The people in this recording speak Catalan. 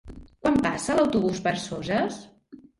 Quan passa l'autobús per Soses?